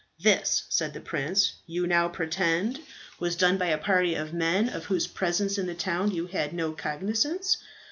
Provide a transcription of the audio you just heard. This," said the prince, "you now pretend was done by a party of men of whose presence in the town you had no cognizance.